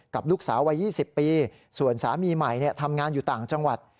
กับลูกสาววัย๒๐ปีส่วนสามีใหม่ทำงานอยู่ต่างจังหวัด